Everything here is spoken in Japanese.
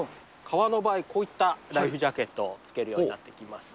川の場合、こういったライフジャケットを着けるようになっています。